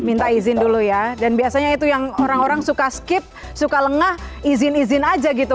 minta izin dulu ya dan biasanya itu yang orang orang suka skip suka lengah izin izin aja gitu